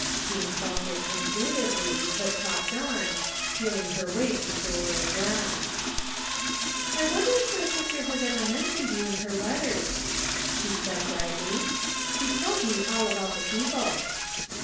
Jean felt it in tuitively, but talked on, feeling her way to surer ground. 57 THE FINDING OF JASPER HOLT " I wonder if my sister has ever mentioned you in her letters," she said brightly. " She tells me about all the people."